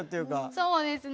そうですね。